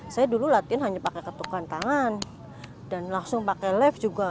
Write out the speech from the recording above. saya dulu latihan hanya pakai ketukan tangan dan langsung pakai lift juga